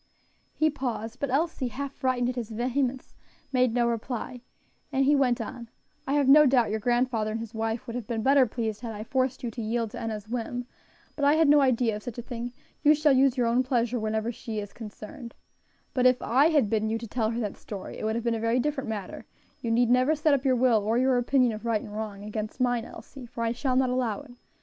He paused; but, Elsie, half frightened at his vehemence, made no reply; and he went on: "I have no doubt your grandfather and his wife would have been better pleased had I forced you to yield to Enna's whim; but I had no idea of such a thing; you shall use your own pleasure whenever she is concerned; but: if I had bidden you to tell her that story it would have been a very different matter; you need never set up your will, or your opinion of right and wrong, against mine, Elsie, for I shall not allow it.